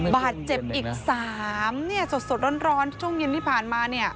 บาดเจ็บอีก๓เนี่ยสดร้อนช่วงเย็นที่ผ่านมาเนี่ย